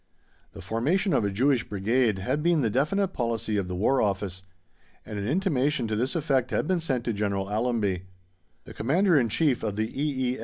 The formation of a Jewish Brigade had been the definite policy of the War Office, and an intimation to this effect had been sent to General Allenby. The Commander in Chief of the E.